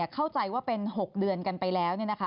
เข้าใจว่าเป็น๖เดือนกันไปแล้ว